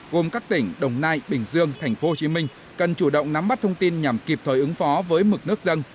gồm các tỉnh đồng nai bình dương tp hcm cần chủ động nắm bắt thông tin nhằm kịp thời ứng phó với mực nước dân